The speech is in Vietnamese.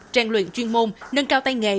trang luyện chuyên môn nâng cao tay nghề